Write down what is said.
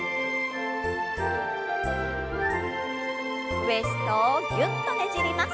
ウエストをぎゅっとねじります。